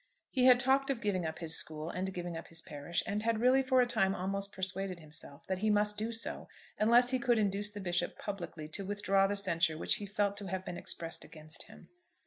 He had talked of giving up his school, and giving up his parish, and had really for a time almost persuaded himself that he must do so unless he could induce the Bishop publicly to withdraw the censure which he felt to have been expressed against him.